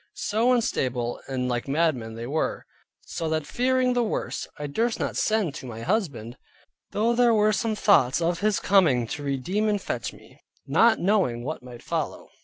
So unstable and like madmen they were. So that fearing the worst, I durst not send to my husband, though there were some thoughts of his coming to redeem and fetch me, not knowing what might follow.